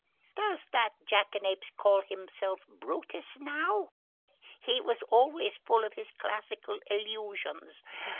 Does the jackanapes call himself Brutus now? He was always full of his classical allusions!